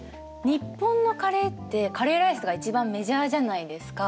日本のカレーってカレーライスが一番メジャーじゃないですか。